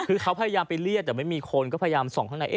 คือเขาพยายามไปเรียกแต่ไม่มีคนก็พยายามส่องข้างใน